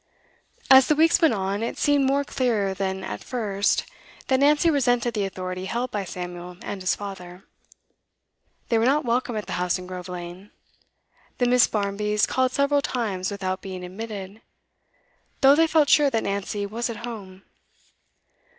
As the weeks went on, it seemed more clear than at first that Nancy resented the authority held by Samuel and his father. They were not welcome at the house in Grove Lane; the Miss. Barmbys called several times without being admitted, though they felt sure that Nancy was at home.